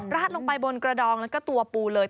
ลงไปบนกระดองแล้วก็ตัวปูเลย